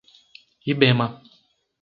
Ibema